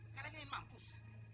kalian ingin mampus